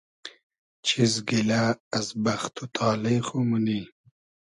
چیز گیلۂ از بئخت و تالې خو مونی؟